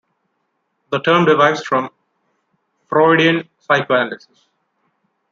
The term derives from Freudian psychoanalysis.